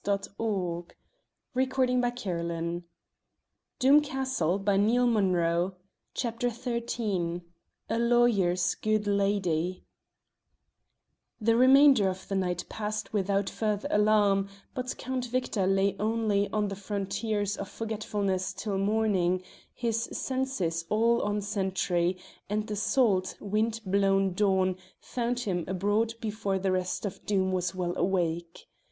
Your going, Count, will have to be put off a day or two longer." CHAPTER XIII A LAWYER'S GOOD LADY The remainder of the night passed without further alarm, but Count Victor lay only on the frontiers of forgetfulness till morning, his senses all on sentry, and the salt, wind blown dawn found him abroad before the rest of Doom was well awake.